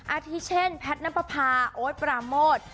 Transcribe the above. อาทิเช่นแพทย์น้ำประพาโอ๊ตปราโมท